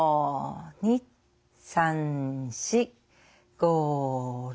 ２３４５６。